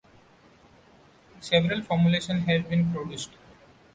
Several formulations have been produced.